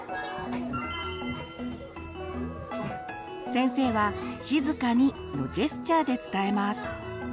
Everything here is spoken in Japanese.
先生は「静かに」のジェスチャーで伝えます。